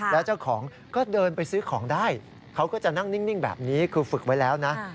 แล้วเจ้าของก็เดินไปซื้อของได้เขาก็จะนั่งนิ่งแบบนี้คือฝึกไว้แล้วนะ